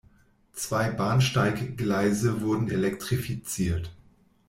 Zwei Bahnsteiggleise wurden elektrifiziert.